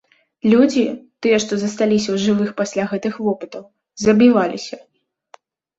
Людзі, тыя, што засталіся ў жывых пасля гэтых вопытаў, забіваліся.